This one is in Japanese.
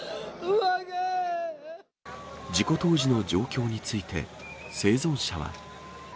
事故当時の状況について、生存者は。